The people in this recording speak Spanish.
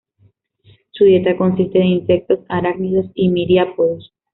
Su dieta consiste de insectos, arácnidos y miriápodos.